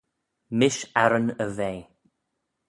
Mish arran y vea.